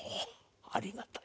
ありがたい。